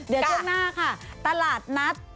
เดือดไปเข้าหน้าค่ะ